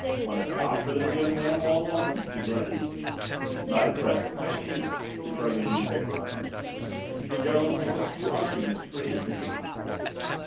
"Want a job for this young man, Waldemar?" he grunted. "Not at present, thank you," returned the newspaper owner. "Mr. Jones has a few arguments to present to you."